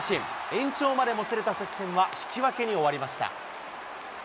延長までもつれた接戦は引き分けに終わりました。